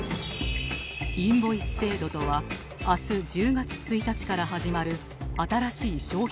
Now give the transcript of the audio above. インボイス制度とは明日１０月１日から始まる新しい消費税のルール